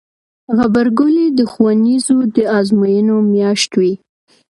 غبرګولی د ښوونځیو د ازموینو میاشت وي.